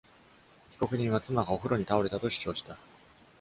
被告人は妻がお風呂に倒れたと主張した。